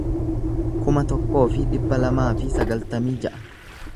kuma tokkoo fi dhibba lamaa fi sagaltamii ja'a